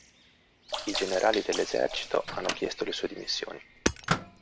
I generali dell'esercito hanno chiesto le sue dimissioni.